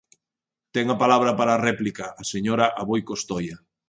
Ten a palabra, para réplica, a señora Aboi Costoia.